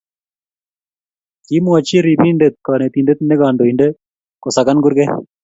Kimwochi ribindet konetindet ne kandoinde kosakan kurke